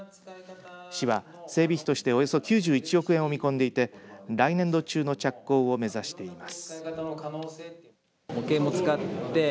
市は整備費としておよそ９１億円を見込んでいて来年度中の着工を目指しています。